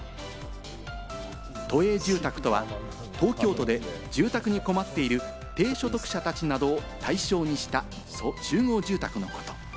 都営住宅とは、東京都で住宅に困っている低所得者たちなどを対象にした集合住宅のこと。